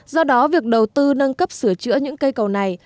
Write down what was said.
do đó việc đầu tư nâng cấp sửa chữa những cây cầu này